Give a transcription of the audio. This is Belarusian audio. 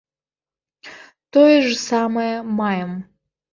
Тое ж самае маем.